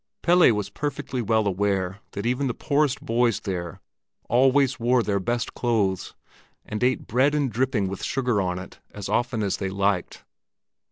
Pelle was perfectly well aware that even the poorest boys there always wore their best clothes, and ate bread and dripping with sugar on it as often as they liked.